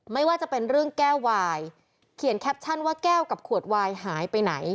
ไม่ว่าจะเป็นเรื่องแก้ววายเขียนแคปชั่นว่าแก้วกับขวดวายหายไปไหน